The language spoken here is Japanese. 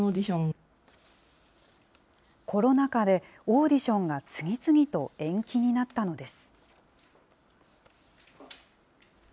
オーディションが次々と延期になったのです。